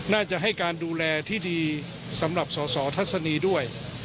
น่าจะให้การดูแลที่ดีสำหรับสสทัศนีด้วย